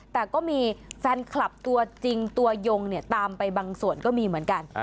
แต่ก็มีแฟนคลับตัวจริงตัวยงตามไปบางส่วนก็มีเหมือนกัน